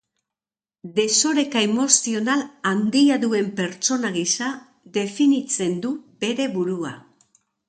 Desoreka emozional handia duen pertsona gisa definitzen du bere burua.